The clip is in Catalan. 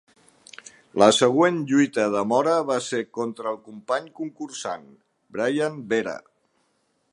La següent lluita de Mora va ser contra el company concursant, Brian Vera.